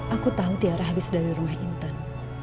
aku tahu tiara habis dari rumah intan